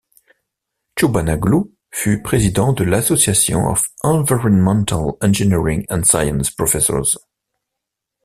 Tchobanoglous fut président de l'Association of Environmental Engineering and Science Professors.